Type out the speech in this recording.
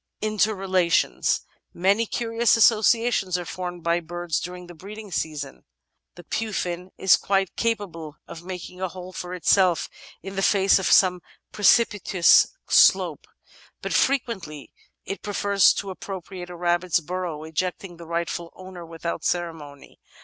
Interrelations Many curious associations are formed by birds during the breeding season. The Pufiin is quite capable of making a hole for itself in the face of some precipitous slope, but frequently it pre fers to appropriate a rabbit's burrow, ejecting the rightful owner without ceremony.